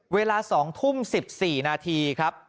เวลา๒ทุ่ม๑๔นาทีครับ